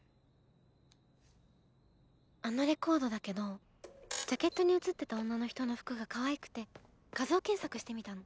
あのレコードだけどジャケットに写ってた女の人の服がカワイくて画像検索してみたの。